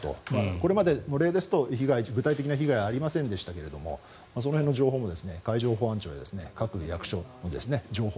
これまでの例ですと具体的な被害はありませんでしたがその辺の情報も海上保安庁や各役所の情報